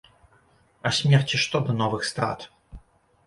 А смерці што да новых страт?